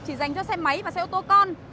chỉ dành cho xe máy và xe ô tô con